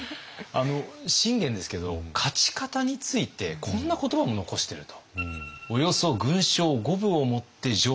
信玄ですけど勝ち方についてこんな言葉も残していると。